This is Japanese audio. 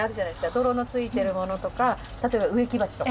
泥のついてるものとか例えば植木鉢とか。